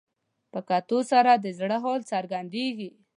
په کتلو سره د زړه حال څرګندېږي